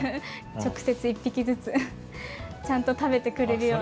直接１匹ずつちゃんと食べてくれるようにあげてます。